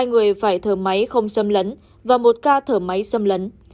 hai người phải thở máy không xâm lấn và một ca thở máy xâm lấn